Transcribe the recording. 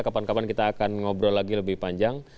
kapan kapan kita akan ngobrol lagi lebih panjang